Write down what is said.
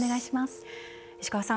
石川さん